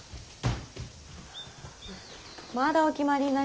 まだお決まりになりませぬか？